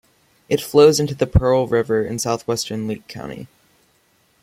It flows into the Pearl River in southwestern Leake County.